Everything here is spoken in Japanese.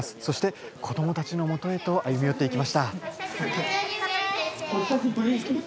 そして子どもたちのもとへと歩みよっていきました。